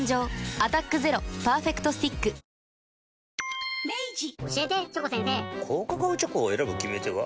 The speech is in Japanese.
「アタックＺＥＲＯパーフェクトスティック」高カカオチョコを選ぶ決め手は？